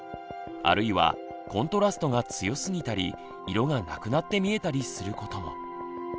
あるいはコントラストが強すぎたり色がなくなって見えたりすることも。